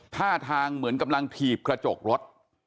ท่าทางเหมือนกำลังถีบกระจกรถ